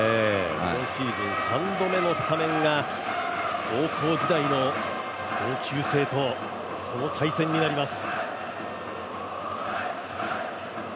今シーズン３度目のスタメンが高校時代の同級生とその対戦になります。